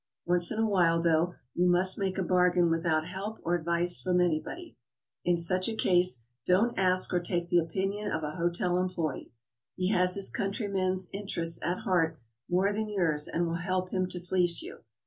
Once in a while, though, you must make a bargain without help or advice from anybody. In such a case, don't ask or take the opinion of a hotel em ployee. He has his countryman's interests at heart more than yours, and will help him to fleece you.